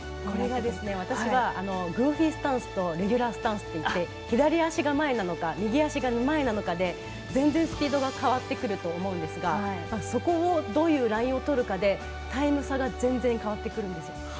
これはグーフィースタンスとレギュラースタンスといって左足が前なのか右足前なのかで、全然スピードが変わってくると思いますがそこを、どういうラインを取るかでタイム差が全然変わってくるんですよ。